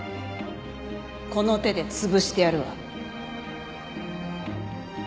この手で潰してやるわ。